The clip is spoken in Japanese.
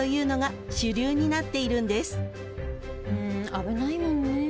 危ないもんね。